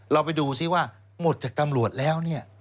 เราไปดูซิว่าหมดจากตำรวจแล้วเนี่ย